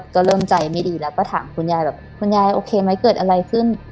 ก็เริ่มใจไม่ดีแล้วก็ถามคุณยายแบบคุณยายโอเคไหมเกิดอะไรขึ้น